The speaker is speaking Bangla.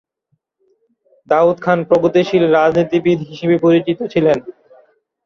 দাউদ খান প্রগতিশীল রাজনীতিবিদ হিসেবে পরিচিত ছিলেন।